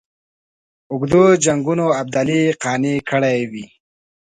اوږدو جنګونو ابدالي قانع کړی وي.